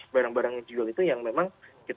barang barang yang dijual itu yang memang